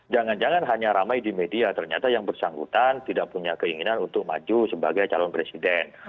jangan jangan hanya ramai di media ternyata yang bersangkutan tidak punya keinginan untuk maju sebagai calon presiden